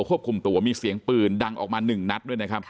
ควบคุมตัวมีเสียงปืนดังออกมา๑นัท